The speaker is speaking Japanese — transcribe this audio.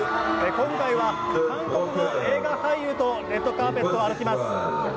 今回は韓国の映画俳優とレッドカーペットを歩きます。